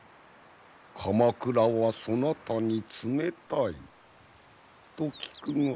鎌倉はそなたに冷たいと聞くが。